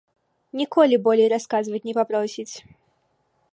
Ніколі болей расказваць не папросіць.